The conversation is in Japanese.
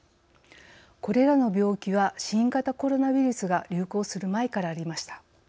これらの病気は新型コロナウイルスが流行する前からありました。